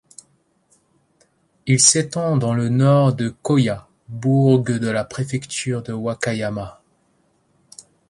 Il s'étend dans le Nord de Kōya, bourg de la préfecture de Wakayama.